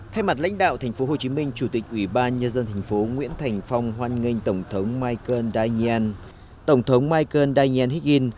thay mặt lãnh đạo thành phố hồ chí minh chủ tịch ủy ban nhân dân thành phố nguyễn thành phong hoan nghênh tổng thống michael daniel higgins